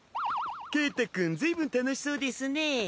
ケータくんずいぶん楽しそうですね。